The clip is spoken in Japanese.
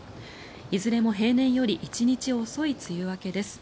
いずれも平年より１日遅い梅雨明けです。